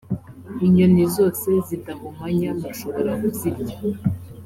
inyoni zose zidahumanya, mushobora kuzirya.